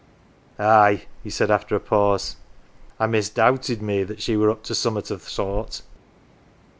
"Aye," he said after a pause. "I misdoubted me that she were up to summat o' th' sort.